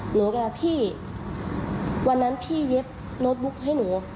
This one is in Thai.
หนูกับพี่วันนั้นพี่เย็บโน้ตบุ๊กให้หนู